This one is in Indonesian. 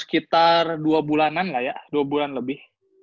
sekitar dua bulanan lah ya dua bulan lebih